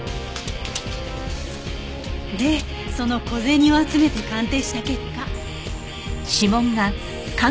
でその小銭を集めて鑑定した結果。